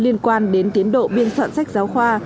liên quan đến tiến độ biên soạn sách giáo khoa